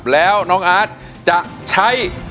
แล้วน้องอาร์ตจะใช้